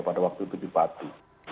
pada waktu itu di pati